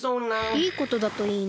いいことだといいな。